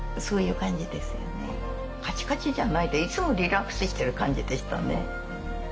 カチカチじゃないでいつもリラックスしてる感じでしたね。